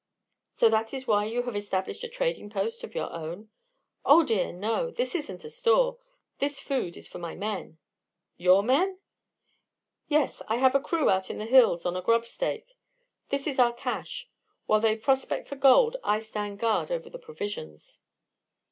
"So that is why you have established a trading post of your own?" "Oh dear, no. This isn't a store. This food is for my men." "Your men?" "Yes, I have a crew out in the hills on a grub stake. This is our cache. While they prospect for gold, I stand guard over the provisions."